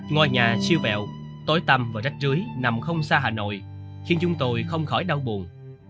ngôi nhà siêu vẹo tối tâm và rách trưới nằm không xa hà nội khiến chúng tôi không khỏi đau buồn